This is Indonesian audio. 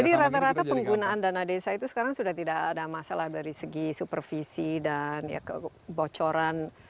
jadi rata rata penggunaan dana desa itu sekarang sudah tidak ada masalah dari segi supervisi dan kebocoran